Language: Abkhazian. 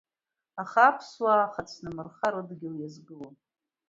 Аха аԥсуаа хацәнымырха рыдгьыл иазгылон.